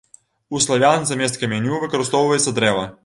У славян замест каменю выкарыстоўваецца дрэва.